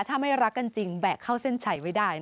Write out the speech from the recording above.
ถ้าไม่รักกันจริงแบกเข้าเส้นชัยไว้ได้